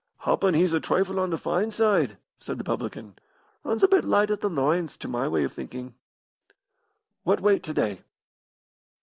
"Happen he's a trifle on the fine side," said the publican. "Runs a bit light at the loins, to my way of thinking'." "What weight to day?"